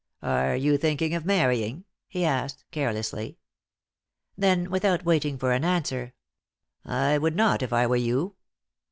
"Are you thinking of marrying?" he asked, carelessly. Then, without waiting for an answer: "I would not if I were you."